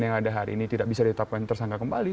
yang ada hari ini tidak bisa ditetapkan tersangka kembali